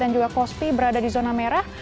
dan juga kospi berada di zona merah